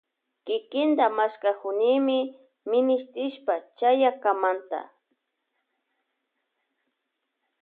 Kikinta mashkakunimi minishti chayakamanta.